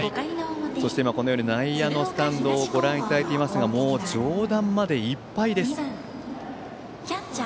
そして今内野のスタンドをご覧いただきましたがもう上段までいっぱいです。